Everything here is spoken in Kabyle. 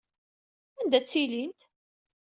Anda ttilint?